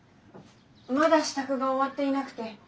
まだ支度が終わっていなくて。